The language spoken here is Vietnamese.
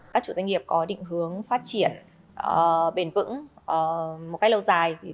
các chủ doanh nghiệp có định hướng phát triển bền vững một cách lâu dài